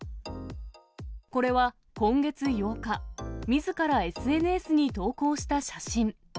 これは、今月８日、みずからＳＮＳに投稿した写真。